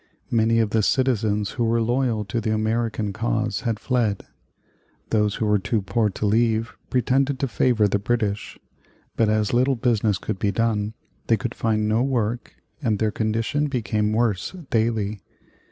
Many of the citizens who were loyal to the American cause had fled. Those who were too poor to leave pretended to favor the British, but as little business could be done, they could find no work, and their condition became worse daily.